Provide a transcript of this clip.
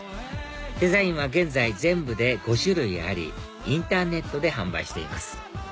デザインは現在全部で５種類ありインターネットで販売しています